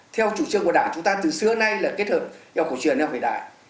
theo chủ trương của đảng chúng ta từ xưa nay là kết hợp y học cổ truyền với y học hiện đại